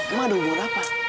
emang ada hubungan apa